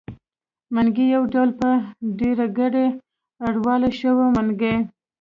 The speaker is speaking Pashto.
منګی يو ډول په ډېرګړي اړولی شو؛ منګي.